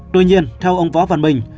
tuy nhiên theo ông võ văn minh